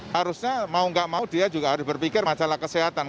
harusnya mau nggak mau dia juga harus berpikir masalah kesehatan